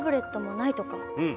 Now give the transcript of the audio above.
うん。